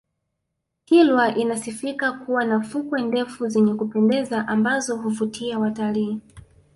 kilwa inasifika kuwa na fukwe ndefu zenye kupendeza ambazo huvutia watalii